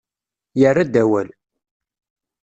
Yerra-d awal.